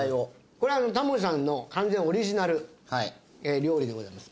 これタモリさんの完全オリジナル料理でございます。